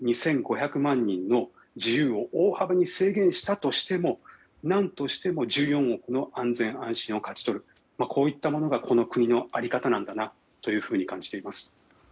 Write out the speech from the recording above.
２５００万人の自由を大幅に制限したとしても何としても１４億の安全安心を勝ち取るこういったものがこの国の在り方だなと感じています。